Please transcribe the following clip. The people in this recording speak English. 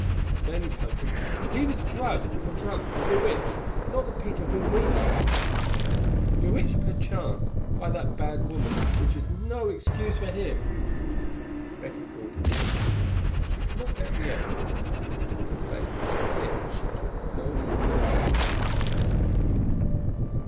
"Then, Cousin, he was drugged or drunk or bewitched, not the Peter whom we know." "Bewitched, perchance, by that bad woman, which is no excuse for him." Betty thought a while. She could not doubt the evidence, but from her face it was clear that she took no severe view of the offence.